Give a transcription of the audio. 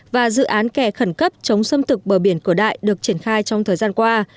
và dự án kè khẩn cấp chống xâm thực bờ biển cửa đại được triển khai trong thời gian qua